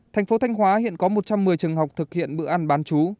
thành phố thanh hóa hiện có một trăm một mươi trường học thực hiện bữa ăn bán chú